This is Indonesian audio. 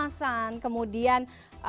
terkait dengan pengawasan kemudian